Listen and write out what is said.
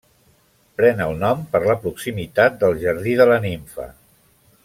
Pren el nom per la proximitat del Jardí de la Nimfa.